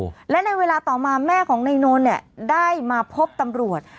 โอ้โหและในเวลาต่อมาแม่ของนายนนท์เนี่ยได้มาพบตำรวจ